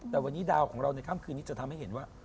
แต่วันนี้ดาวของเราในค่ำคืนนี้จะทำให้เห็นว่า